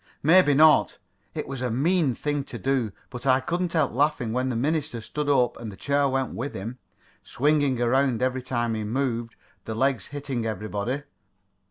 "Maybe not. It was a mean thing to do, but I couldn't help laughing when the minister stood up and the chair went with him, swinging around every time he moved, the legs hitting everybody."